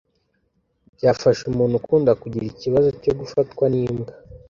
byafasha umuntu ukunda kugira ikibazo cyo gufatwa n’imbwa